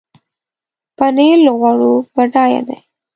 پنېر له غوړو بډایه دی.